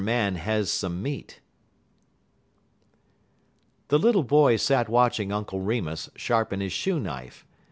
MAN HAS SOME MEAT The little boy sat watching Uncle Remus sharpen his shoe knife.